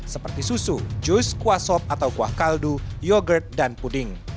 seperti susu jus kuah sop atau kuah kaldu yogurt dan puding